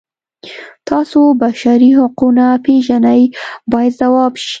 تاسو بشري حقونه پیژنئ باید ځواب شي.